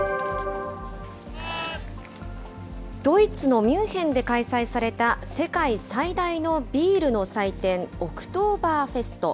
ドイツのミュンヘンで開催された、世界最大のビールの祭典、オクトーバーフェスト。